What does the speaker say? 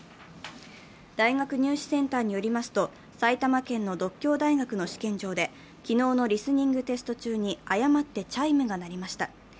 大学入試センターによりますと、埼玉県の獨協大学の試験場で、昨日のリスニングテスト中に誤ってチャイムが鳴りました。